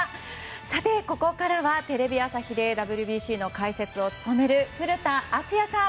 さて、ここからはテレビ朝日でＷＢＣの解説を務める古田敦也さん。